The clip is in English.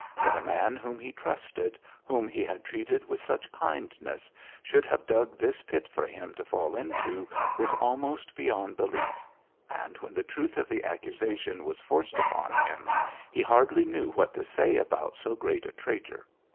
That a man whom he trusted, whom he had treated with such kindness, should have dug this pit for him to fall into, was almost beyond belief; and when the truth of the accusation was forced upon him, he hardly knew what to say about so great a traitor.